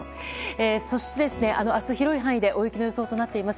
そして明日、広い範囲で大雪の予想となっています。